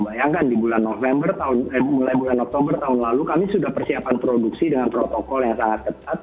bayangkan di bulan november mulai bulan oktober tahun lalu kami sudah persiapan produksi dengan protokol yang sangat ketat